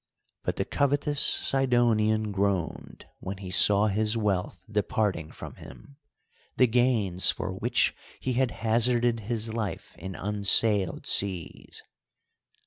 But the covetous Sidonian groaned, when he saw his wealth departing from him, the gains for which he had hazarded his life in unsailed seas.